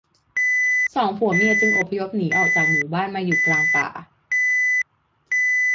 สองผัวเมียจึงอพยพหนีจากหมู่บ้านมาอยู่กลางป่า